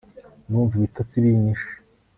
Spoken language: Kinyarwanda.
ndumva ibitotsi binyishe